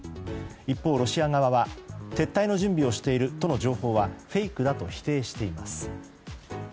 一方、ロシア側は撤退の準備をしているという情報はフェイクだと否定しています。